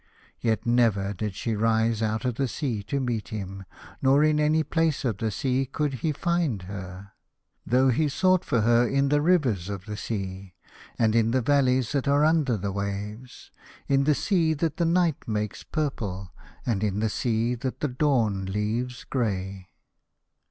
Yet never did she rise out of the sea to meet him, nor in any place of the sea could he find her, though he sought for her in the rivers of the sea, and in the valleys that are under the waves, in the sea that the night makes purple, and in the sea that the dawn leaves grey.